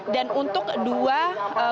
dan untuk berpengalaman